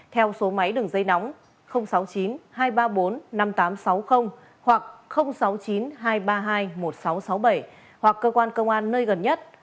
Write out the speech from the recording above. theo số máy đường dây nóng sáu mươi chín hai trăm ba mươi bốn năm nghìn tám trăm sáu mươi hoặc sáu mươi chín hai trăm ba mươi hai một nghìn sáu trăm sáu mươi bảy hoặc cơ quan công an nơi gần nhất